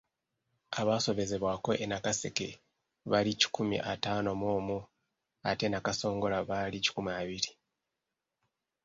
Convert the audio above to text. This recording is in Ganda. Abaasobezebwako e Nakaseke bali kikumi ataano mu omu ate e Nakasongola baali kikumi abiri.